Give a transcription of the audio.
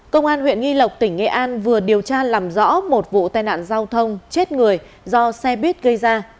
công an huyện nghi lộc tỉnh nghệ an vừa điều tra làm rõ một vụ tai nạn giao thông chết người do xe buýt gây ra